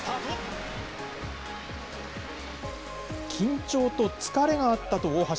緊張と疲れがあったと大橋。